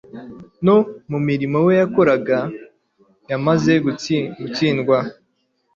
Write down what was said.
No mu murimo we yakoraga yari amaze gutsindwa;